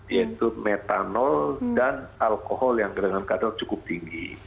yaitu metanol dan alkohol yang dengan kadar cukup tinggi